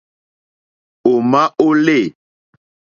Ò má ó lê.